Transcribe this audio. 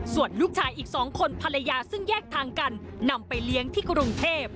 ส่วนลูกชายอีก๒คนภรรยาซึ่งแยกทางกันนำไปเลี้ยงที่กรุงเทพ